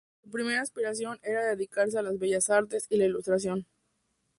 Su primera aspiración era dedicarse a las bellas artes y la ilustración.